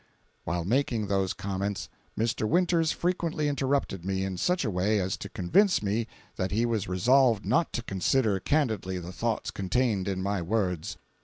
While making those comments, Mr. Winters frequently interrupted me in such a way as to convince me that he was resolved not to consider candidly the thoughts contained in my words.